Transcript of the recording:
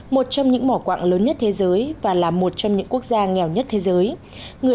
một trong những mỏ quạng lớn nhất thế giới và là một trong những quốc gia nghèo nhất thế giới